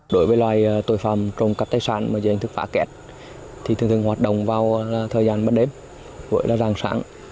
đối với loài tội phạm trụng cắp tài sản mà dành thức phá kẹt thì thường thường hoạt động vào thời gian mất đếm gọi là ràng sáng